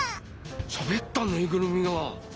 しゃべったぬいぐるみがほう。